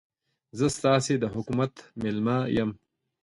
زه ستاسې د حکومت مېلمه یم.